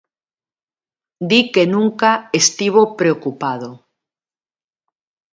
Di que nunca estivo preocupado.